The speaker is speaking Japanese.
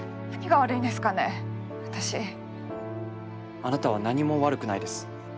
あなたは何も悪くないです。